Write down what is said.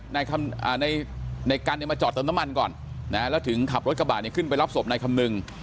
ในกันเนี่ยมาจอดเติมน้ำมันก่อนนะแล้วถึงขับรถกระบะเนี่ยขึ้นไปรับศพนายคำนึง